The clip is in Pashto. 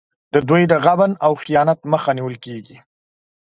د دوی د غبن او خیانت مخه نیول کېږي.